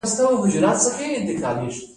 د سرپل په صیاد کې د تیلو څاګانې دي.